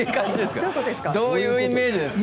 どういうイメージですか？